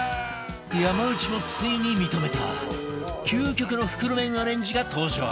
山内もついに認めた究極の袋麺アレンジが登場！